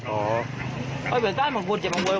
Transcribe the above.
โอ้ยเวสต้านมันกลัวอย่ามากกว่า